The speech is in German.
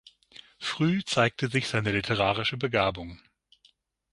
Früh zeigte sich seine literarische Begabung.